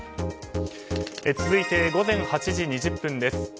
続いて、午前８時２０分です。